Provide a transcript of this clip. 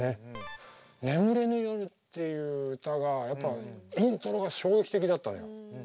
「眠れぬ夜」っていう歌がやっぱイントロが衝撃的だったのよ。